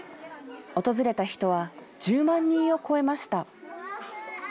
訪れた人は１０万人を超えました。